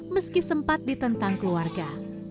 meski sempat ditentang keluarga